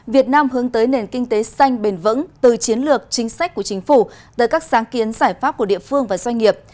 việt nam hướng tới nền kinh tế xanh bền vững từ chiến lược chính sách của chính phủ tới các sáng kiến giải pháp của địa phương và doanh nghiệp